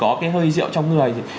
có cái hơi rượu trong người